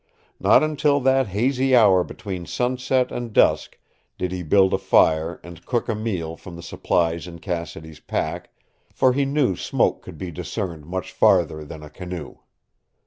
Not until that hazy hour between sunset and dusk did he build a fire and cook a meal from the supplies in Cassidy's pack, for he knew smoke could be discerned much farther than a canoe.